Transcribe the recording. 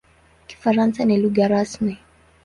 Kifaransa ni lugha rasmi.